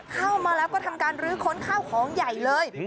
เข้ามาแล้วก็ทำการรื้อค้นข้าวของใหญ่เลย